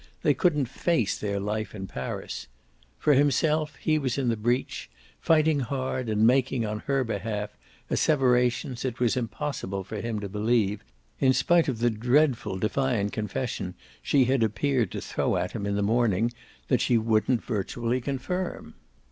They couldn't face their life in Paris. For himself he was in the breach, fighting hard and making, on her behalf, asseverations it was impossible for him to believe, in spite of the dreadful defiant confession she had appeared to throw at him in the morning, that she wouldn't virtually confirm.